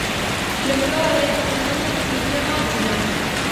Logrou a décimo segunda posición ao final.